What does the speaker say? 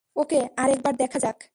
ওকে, আরেকবার দেখা যাক।